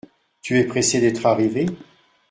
Tu es pressé d’être arrivé ?